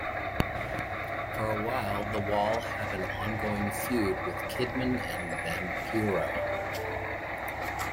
For a while The Wall had an ongoing feud with Kidman and Vampiro.